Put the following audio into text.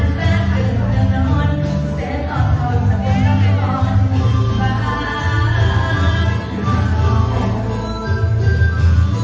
ถ้าเป็นห้ามรักเกินกันละอ่อนสุขสะออนมีร้องบ้านหล่อ